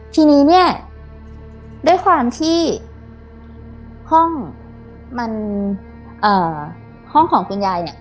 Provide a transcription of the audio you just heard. ทีนี้เนี่ยด้วยความที่ห้องมันห้องของคุณยายเนี่ย